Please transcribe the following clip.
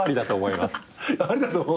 ありだと思う？